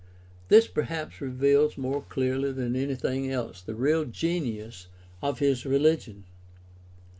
This perhaps reveals more clearly than anything else the real genius of his religion.